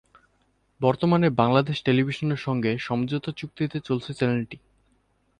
বর্তমানে বাংলাদেশ টেলিভিশনের সঙ্গে সমঝোতা চুক্তির ভিত্তিতে চলছে চ্যানেলটি।